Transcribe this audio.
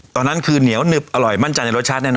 ตอนนั้นคือเหนียวหนึบอร่อยมั่นใจในรสชาติแน่น